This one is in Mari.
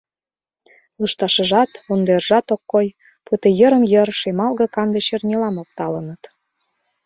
Лышташыжат, вондержат ок кой, пуйто йырым-йыр шемалге-канде чернилам опталыныт.